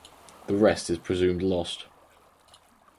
The rest is presumed lost.